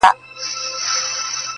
وينه په وينو نه پاکېږي.